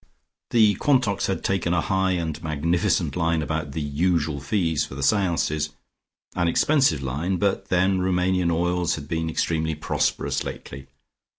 The Quantocks had taken a high and magnificent line about the "usual fees" for the seances, an expensive line, but then Roumanian oils had been extremely prosperous lately.